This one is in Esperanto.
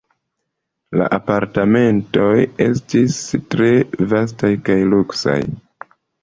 La apartamentoj estis tre vastaj kaj luksaj.